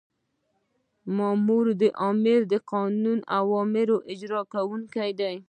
مامور د آمر د قانوني اوامرو اجرا کوونکی دی.